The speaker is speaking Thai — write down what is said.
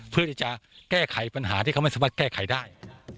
เพื่อที่จะแก้ไขปัญหาที่เขาไม่สามารถแก้ไขได้